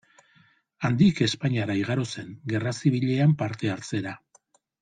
Handik, Espainiara igaro zen, Gerra Zibilean parte hartzera.